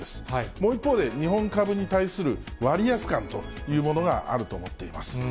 もう一方で、日本株に対する割安感というものがあると思っています。